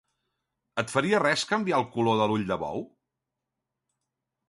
Et faria res canviar el color de l'ull de bou?